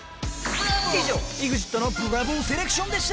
以上ＥＸＩＴのブラボーセレクションでした。